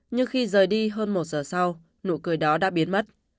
nhưng khi rời đi hơn một giờ sau nụ cười đó đã biến mất